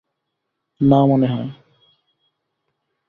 না মনে হয়।